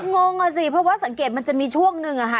งงอ่ะสิเพราะว่าสังเกตมันจะมีช่วงหนึ่งอะค่ะ